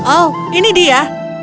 oh ini dia